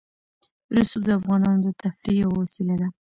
رسوب د افغانانو د تفریح یوه وسیله ده.